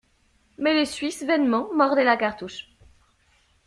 Mais les Suisses vainement mordaient la cartouche.